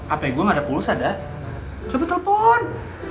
apa yang gue gak ada pulsa da coba telepon